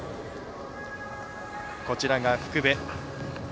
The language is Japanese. こちらが福部。